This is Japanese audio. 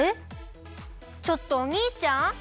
ちょっとおにいちゃん？